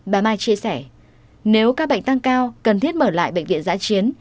bà mai chia sẻ nếu các bệnh tăng cao cần thiết mở lại bệnh viện giã chiến